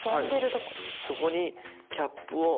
そこにキャップを。